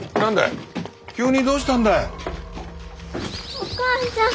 お母ちゃん！